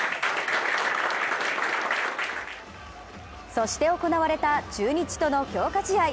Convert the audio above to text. そして行われた中日との強化試合。